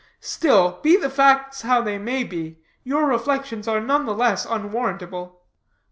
Still, be the facts how they may, your reflections are none the less unwarrantable.